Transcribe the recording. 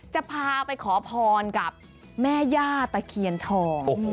จะพาไปขอพรกับแม่ย่าตะเคียนทอง